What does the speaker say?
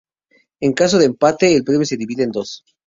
En caso de empate, el premio se divide en dos.